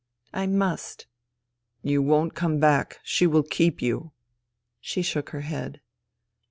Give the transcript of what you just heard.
" I must." " You won't come back. She will keep you." She shook her head.